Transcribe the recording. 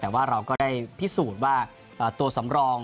แต่ว่าเราก็ได้พิสูจน์ว่าตัวสำรอง